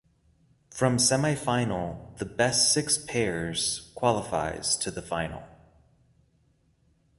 From semifinal the best six pairs qualifies to the final.